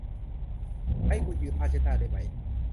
ให้คุณยืมผ้าเช็ดหน้าได้ไหม ?